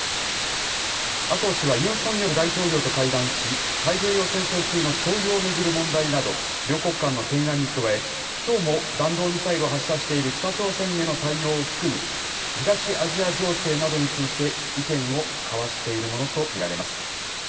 麻生氏はユン・ソンニョル大統領と会談し、太平洋戦争中の徴用を巡る問題など、両国間の懸案に加え、きょうも弾道ミサイルを発射している北朝鮮への対応を含む、東アジア情勢などについて意見を交わしているものと見られます。